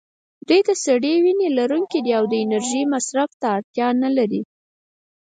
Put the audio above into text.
دوی د سړې وینې لرونکي دي او د انرژۍ مصرف ته اړتیا نه لري.